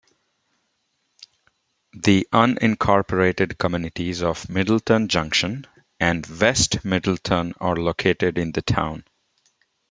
The unincorporated communities of Middleton Junction and West Middleton are located in the town.